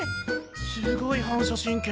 すごい反射神経。